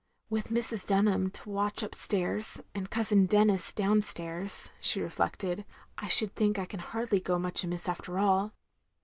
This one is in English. " With Mrs. Dtmham on the watch upstairs, and Cousin Denis downstairs, " she reflected, " I should think I can hardly go much amiss after all.